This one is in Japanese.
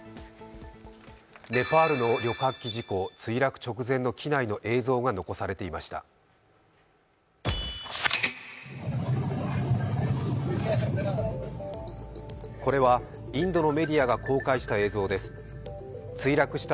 ネパールの旅客機事故墜落直前の機内の映像が残されていました。